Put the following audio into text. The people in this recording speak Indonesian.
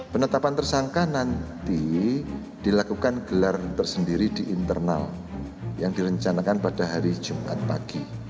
penetapan tersangka nanti dilakukan gelar tersendiri di internal yang direncanakan pada hari jumat pagi